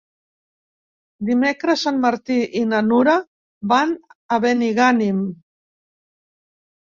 Dimecres en Martí i na Nura van a Benigànim.